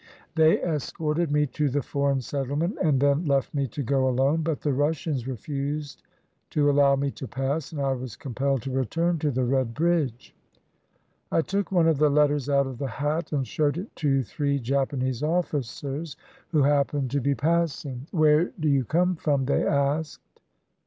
They escorted me to the Foreign Settlement and then left me to go alone, but the Russians refused to allow me to pass and I was compelled to return to the Red Bridge. I took one of the letters out of the hat and showed it to three Japanese officers who happened to be passing. "Where do you come from?" they asked.